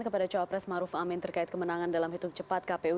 kepada cawapres maruf amin terkait kemenangan dalam hitung cepat kpu